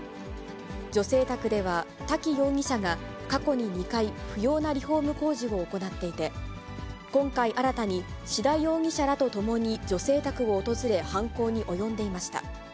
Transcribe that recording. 女性宅では滝容疑者が過去に２回、不要なリフォーム工事を行っていて、今回、新たに志田容疑者らと共に女性宅を訪れ犯行に及んでいました。